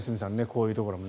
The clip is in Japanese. こういうところは。